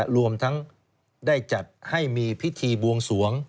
รวมทั้งได้จัดให้มีพิธีบวงสวง